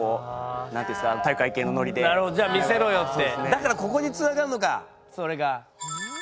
だからここにつながるのかそれが。